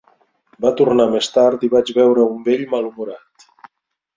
Va tornar més tard i vaig veure un vell malhumorat.